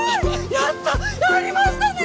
やったやりましたね！